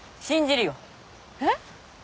信じるよ。えっ？